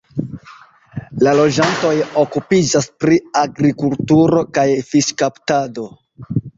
La loĝantoj okupiĝas pri agrikulturo kaj fiŝkaptado.